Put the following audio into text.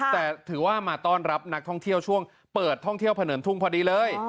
แต่ถือว่ามาต้อนรับนักท่องเที่ยวช่วงเปิดท่องเที่ยวเผินทุ่งพอดีเลย